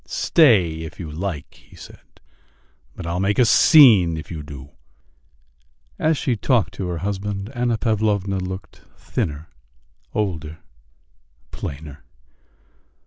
"Stay if you like," he said, "but I'll make a scene if you do." And as she talked to her husband Anna Pavlovna looked thinner, older, plainer.